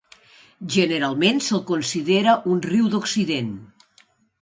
Generalment se'l considera un riu d'Occident.